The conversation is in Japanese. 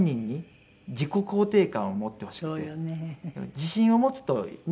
自信を持つとね